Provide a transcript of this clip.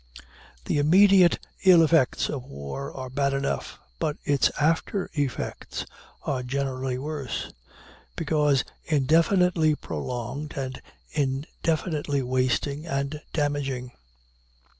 The immediate ill effects of war are bad enough, but its after effects are generally worse, because indefinitely prolonged and indefinitely wasting and damaging.